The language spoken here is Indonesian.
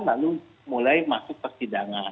lalu mulai masuk persidangan